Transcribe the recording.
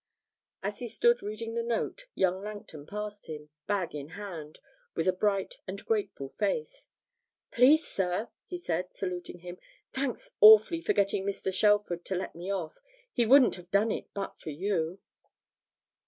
As he stood reading the note, young Langton passed him, bag in hand, with a bright and grateful face. 'Please, sir,' he said, saluting him, 'thanks awfully for getting Mr. Shelford to let me off; he wouldn't have done it but for you.'